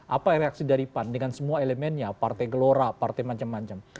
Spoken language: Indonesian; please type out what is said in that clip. apa reaksi dari pan dengan semua elemennya partai gelora partai macam macam